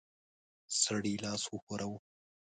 سړي لاس وښوراوه.